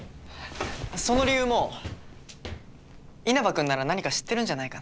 その理由も稲葉君なら何か知ってるんじゃないかな？